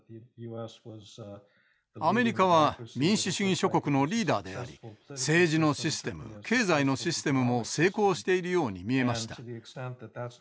アメリカは民主主義諸国のリーダーであり政治のシステム経済のシステムも成功しているように見えました。